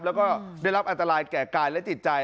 แล้วก็ได้รับอันตรายแก่กายและจิตใจ